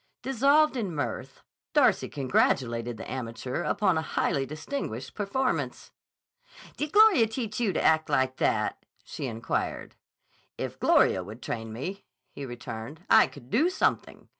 Dissolved in mirth, Darcy congratulated the amateur upon a highly distinguished performance. "Did Gloria teach you to act like that?" she inquired. "If Gloria would train me," he returned, "I could do something.